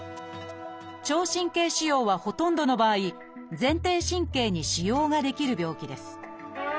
聴神経腫瘍はほとんどの場合前庭神経に腫瘍が出来る病気です。